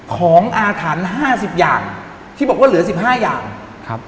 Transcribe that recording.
โคตรมันเลยต่อ